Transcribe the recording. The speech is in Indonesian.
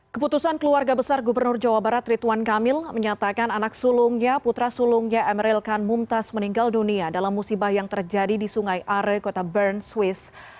keputusan keluarga besar gubernur jawa barat rituan kamil menyatakan anak sulungnya putra sulungnya emeril khan mumtaz meninggal dunia dalam musibah yang terjadi di sungai are kota bern swiss